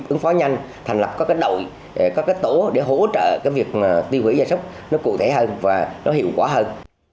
ứng phó nhanh thành lập các đội các tổ để hỗ trợ việc tiêu hủy và sốc nó cụ thể hơn và nó hiệu quả hơn